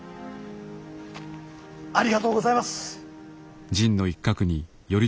ありがとうございます。